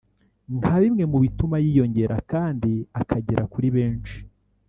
nka bimwe mu bituma yiyongera kandi akagera kuri benshi